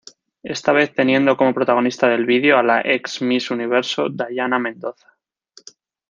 Esta vez teniendo como protagonista del video, a la Ex Miss Universo Dayana Mendoza.